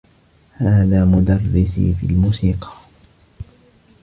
هذا مدرّسي في الموسيقى.